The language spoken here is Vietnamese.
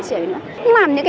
cô được không